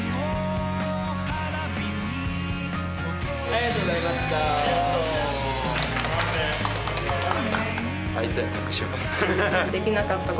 ありがとうございました。頑張って。